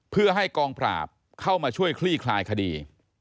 เพื่อให้กองปราบเข้ามาช่วยคลี่คลายคดี